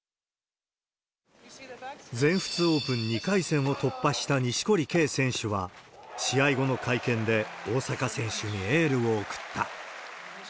全仏オープン２回戦を突破した錦織圭選手は、試合後の会見で大坂選手にエールを送った。